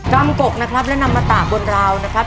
กรรมกกนะครับและน้ำมะตาบนราวนะครับ